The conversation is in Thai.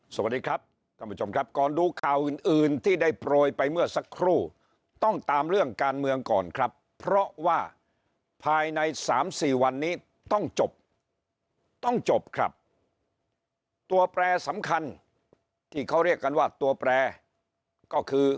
สวัสดีครับท่านผู้ชมครับก่อนดูข่าวอื่นอื่นที่ได้โปรยไปเมื่อสักครู่ต้องตามเรื่องการเมืองก่อนครับเพราะว่าภายในสามสี่วันนี้ต้องจบต้องจบครับตัวแปรสำคัญที่เขาเรียกกันว่าตัวแปรก็คือ